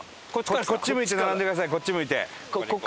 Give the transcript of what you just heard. こっち向いて並んでくださいこっち向いて。